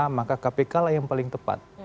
maka kpk lah yang paling tepat